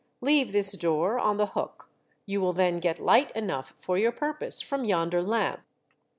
Leave this door on the hook, you will then get light enough for your purpose from yonder lamp."